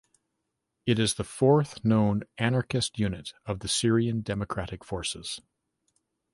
It is the fourth known anarchist unit of the Syrian Democratic Forces.